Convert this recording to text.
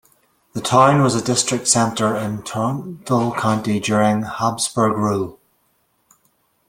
The town was a district center in Torontal County during Habsburg rule.